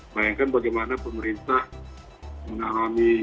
bayangkan bagaimana pemerintah menalami